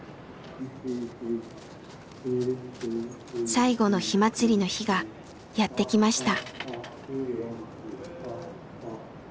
最後の火まつりの日がやって来ました。